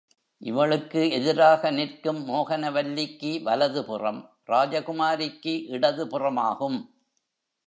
இவளுக்கு எதிராக நிற்கும் மோகனவல்லிக்கு வலது புறம், ராஜகுமாரிக்கு இடதுபுறமாகும்.